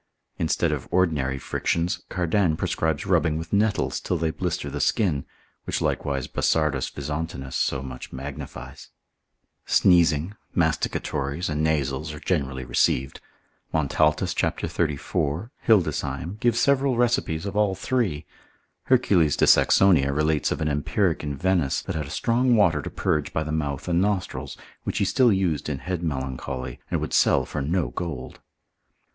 Instead of ordinary frictions, Cardan prescribes rubbing with nettles till they blister the skin, which likewise Basardus Visontinus so much magnifies. Sneezing, masticatories, and nasals are generally received. Montaltus c. 34. Hildesheim spicel. 3. fol. 136 and 238. give several receipts of all three. Hercules de Saxonia relates of an empiric in Venice that had a strong water to purge by the mouth and nostrils, which he still used in head melancholy, and would sell for no gold.